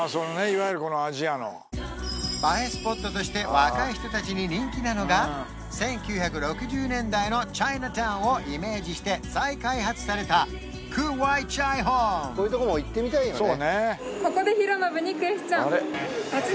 いわゆるアジアの映えスポットとして若い人達に人気なのが１９６０年代のチャイナタウンをイメージして再開発されたこういうとこも行ってみたいよね